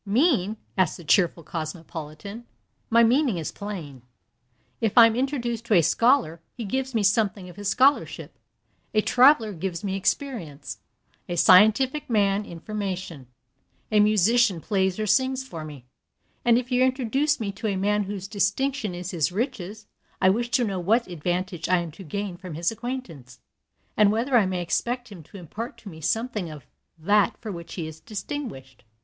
"Mean?" answered the cheerful cosmopolitan; "my meaning is plain. If I am introduced to a scholar, he gives me something of his scholarship; a traveller gives me experience; a scientific man, information; a musician plays or sings for me; and if you introduce me to a man whose distinction is his riches, I wish to know what advantage I am to gain from his acquaintance, and whether I may expect him to impart to me something of that for which he is distinguished."